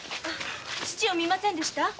父を見ませんでした？